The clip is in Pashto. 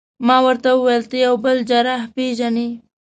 ما ورته وویل: ته یو بل جراح پېژنې؟